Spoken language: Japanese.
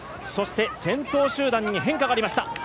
そして先頭集団に変化がありました。